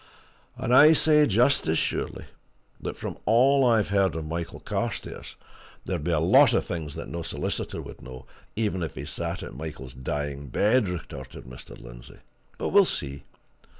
"And I say just as surely that from all I've heard of Michael Carstairs there'd be a lot of things that no solicitor would know, even if he sat at Michael's dying bed!" retorted Mr. Lindsey. "But we'll see.